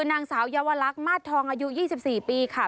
นางสาวเยาวลักษณ์มาสทองอายุ๒๔ปีค่ะ